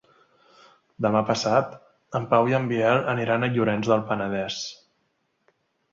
Demà passat en Pau i en Biel aniran a Llorenç del Penedès.